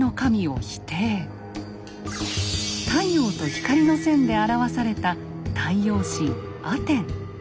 太陽と光の線で表された太陽神アテン。